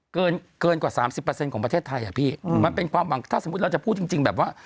เกินกว่า๓๐ของประเทศไทยอ่ะพี่มันเป็นความหวังถ้าสมมุติเราจะพูดจริงแบบว่า